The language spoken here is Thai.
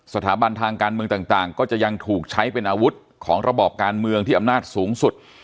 สถาบันทางการเมืองต่างก็จะยังถูกใช้เป็นอาวุธของระบอบการเมืองที่อำนาจสูงสุด